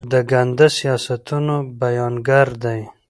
د ګنده سیاستونو بیانګر دي.